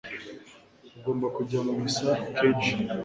Ugomba kujya mu misa kenshi.